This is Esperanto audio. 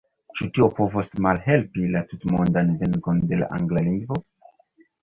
Ĉu tio povos malhelpi la tutmondan venkon de la angla lingvo?